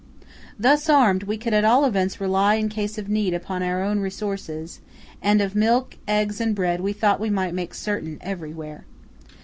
Thus armed, we could at all events rely in case of need upon our own resources; and of milk, eggs, and bread we thought we might make certain everywhere.